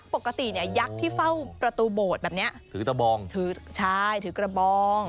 ปกติเนี่ยยักษ์ที่เฝ้าประตูโบสถ์แบบเนี้ยถือตะบองถือใช่ถือกระบอง